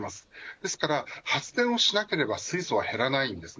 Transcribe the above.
ですから発電をしなければ水素は減らないんですね。